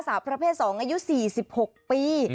สาวประเภท๒อายุ๔๖ปี